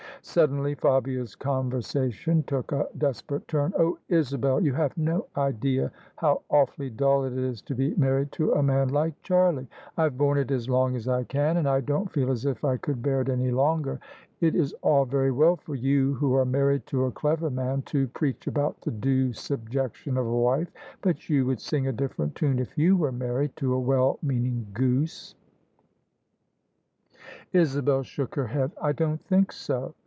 Suddenly Fabia's conversation took a desperate turn. " Oh, Isabel, you have no idea how awfully dull it is to be married to a man like Charlie! I've borne it as long as I can, and I don't feel as if I could bear it any longer 1 It is all very well for you, who are married to a clever man, to preach about the due subjection of a wife: but you would sing a different tune if you were married to a well meaning goose," OF ISABEL CARNABY Isabel shook her head. " I don't think so.